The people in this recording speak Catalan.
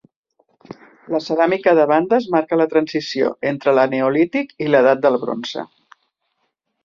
La ceràmica de bandes marca la transició entre l'eneolític i l'edat del bronze.